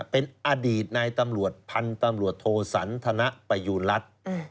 เป็นอดีตนายตำรวจพันธุ์ตำรวจโทสันธนประยูรัฐ